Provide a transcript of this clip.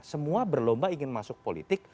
semua berlomba ingin masuk politik